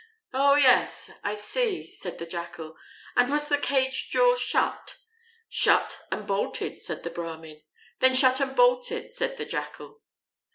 "Oh, yes, I see," said the Jackal. "And was the cage door shut?" "Shut and bolted," said the Brahmin. "Then shut and bolt it," said the Jackal.